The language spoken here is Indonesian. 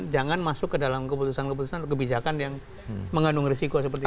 jangan masuk ke dalam keputusan keputusan atau kebijakan yang mengandung risiko seperti itu